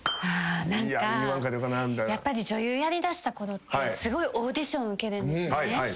やっぱり女優やりだしたころってすごいオーディション受けるんですね。